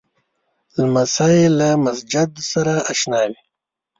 لمسی له مسجد سره اشنا وي.